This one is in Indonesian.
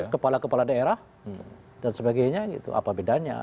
kepala kepala daerah dan sebagainya gitu apa bedanya